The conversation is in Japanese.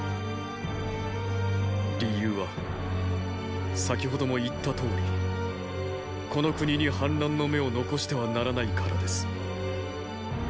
理由は先ほども言ったとおりこの国に反乱の芽を残してはならないからです。